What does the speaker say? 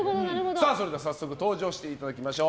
それでは早速登場していただきましょう。